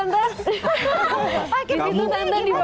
paket gitu tante di bawah